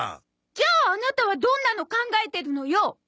じゃあアナタはどんなの考えてるのよ？